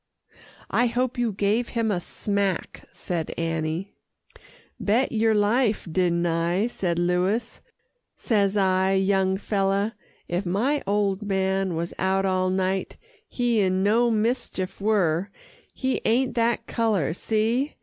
"I hope you gave him a smack," said Annie. "Bet yer life, didn't I," said Louis. "Says I, 'Young feller, if my old man was out all night, he in no mischief were he ain't that colour see!